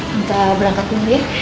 tante citra berangkat dulu ya